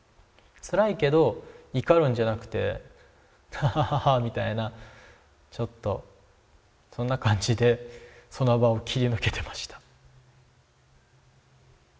つらいけど怒るんじゃなくてハハハハみたいなちょっとそんな感じでその場を切り抜けてました。